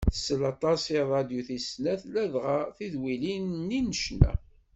Tsell aṭas i radyu tis snat, ladɣa tidwilin-nni n ccna.